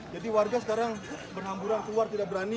jadi warga sekarang berhamburan keluar tidak berani